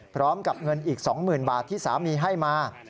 พร้อมกับเงินอีก๒๐๐๐บาทที่สามีให้มา